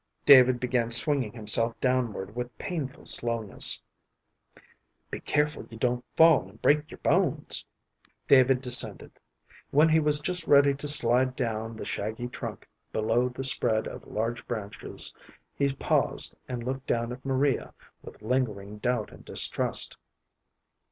David began swinging himself downward with painful slowness. "Be careful you don't fall and break your bones." David descended. When he was just ready to slide down the shaggy trunk below the spread of large branches, he paused and looked down at Maria with lingering doubt and distrust.